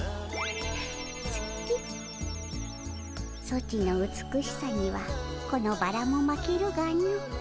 ソチの美しさにはこのバラも負けるがの。